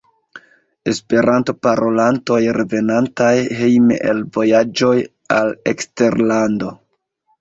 Esperanto-parolantoj revenantaj hejme el vojaĝoj al eksterlando.